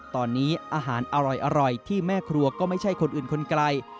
ตอนนี้อาหารอร่อยที่แม่ครัวก็ไม่ใช่คนอื่นคนไกล